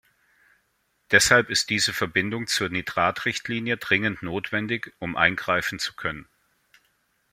Deshalb ist diese Verbindung zur Nitratrichtlinie dringend notwendig, um eingreifen zu können.